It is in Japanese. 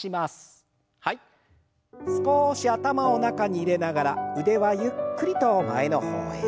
少し頭を中に入れながら腕はゆっくりと前の方へ。